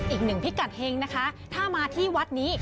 อีกหนึ่งพิกัดเฮงนะคะถ้ามาที่วัดนี้